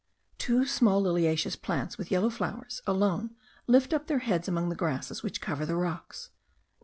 Two small liliaceous plants, with yellow flowers,* alone lift up their heads, among the grasses which cover the rocks.